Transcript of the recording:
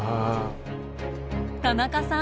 田中さん